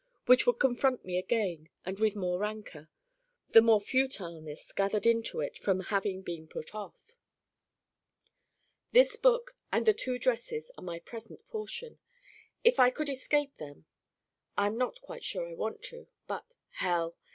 Which would confront me again with the more rancor, the more futileness gathered into it from having been put off. This book and the two dresses are my present portion. If I could escape them (I am not quite sure I want to but _hell!